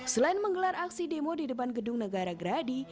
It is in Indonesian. selain menggelar aksi demo di depan gedung negara gerahadi